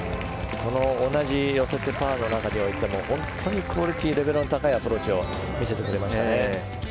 同じ寄せてパーとはいっても本当にクオリティーレベルの高いアプローチ見せてくれましたね。